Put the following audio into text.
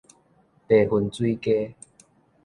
迷魂水雞